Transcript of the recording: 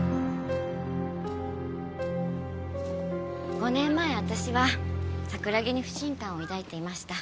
５年前私は桜木に不信感を抱いていました。